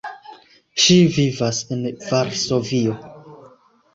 Ŝi vivas en Varsovio.